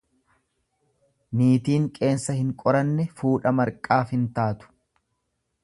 Niitiin qeensa hin qoranne fuudha marqaaf hin taatu.